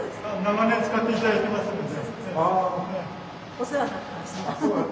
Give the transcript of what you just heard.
お世話になってました。